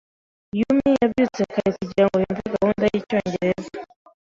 Yumi yabyutse kare kugirango yumve gahunda yicyongereza.